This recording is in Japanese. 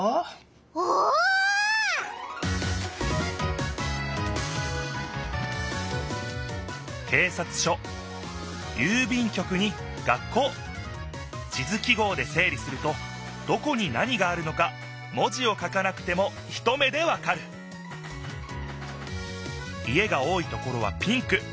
おお！警察署郵便局に学校地図記号でせい理するとどこに何があるのか文字を書かなくても一目でわかる家が多いところはピンク。